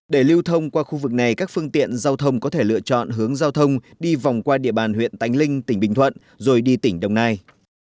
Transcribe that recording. để lưu thông qua khu vực này các phương tiện giao thông có thể lựa chọn hướng giao thông đi vòng qua địa bàn huyện tánh linh tỉnh bình thuận rồi đi tỉnh đồng nai